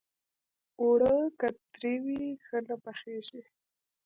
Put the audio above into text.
اوړه که ترۍ وي، ښه نه پخېږي